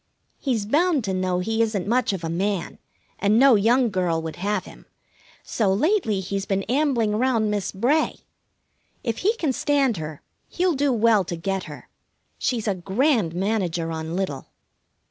He's bound to know he isn't much of a man, and no young girl would have him, so lately he's been ambling 'round Miss Bray. If he can stand her, he'll do well to get her. She's a grand manager on little.